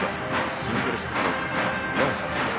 シングルヒット４本。